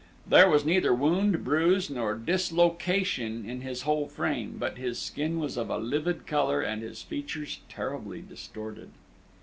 There was neither wound, bruise, nor dislocation in his whole frame; but his skin was of a livid color, and his features terribly distorted.